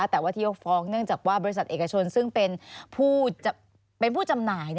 แต่ว่าที่เขาฟ้องเนื่องจากว่าบริษัทเอกชนซึ่งเป็นผู้จำหน่าย